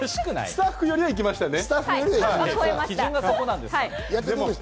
スタッフよりは行きましたね。